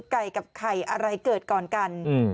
ไก่กับไข่อะไรเกิดก่อนกัน